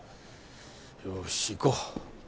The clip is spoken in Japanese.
よし行こう。